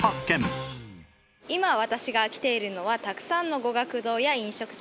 今私が来ているのはたくさんの語学堂や飲食店が集まる